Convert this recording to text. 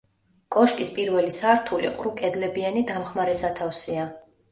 კოშკის პირველი სართული ყრუკედლებიანი დამხმარე სათავსია.